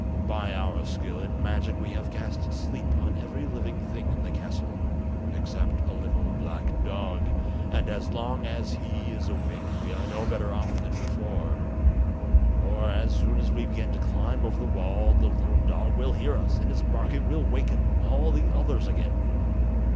By our skill in magic we have cast sleep on every living thing in the castle, except a little black dog, and, as long as he is awake, we are no better off than before; for, as soon as we begin to climb over the wall, the little dog will hear us, and its barking will waken all the others again.